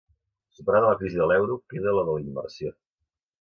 Superada la crisi de l'euro, queda la de la immersió.